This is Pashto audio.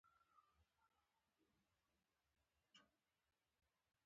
وژنه د بدبختۍ بنسټ ږدي